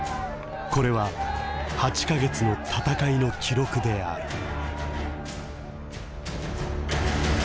これは８か月の闘いの記録である。